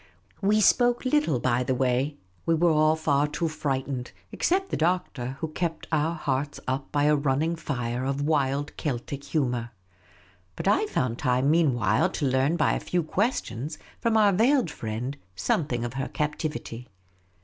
We spoke little by the way; we were all far too frightened, except the Doctor, who kept our hearts up by a running fire of wild Celtic humour. But I found time meanwhile to learn by a few questions from our veiled friend something of her captivity.